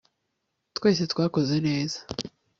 twese twakoze neza